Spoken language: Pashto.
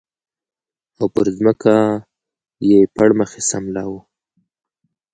او پر ځمکه یې پړ مخې سملاوه